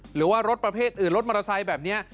หรือว่ารถประเภทอื่นรถมอเตอร์ไซค์แบบนี้